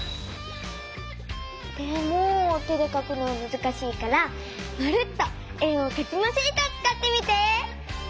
でも手でかくのはむずしいから「まるっと円をかきまシート」をつかってみて！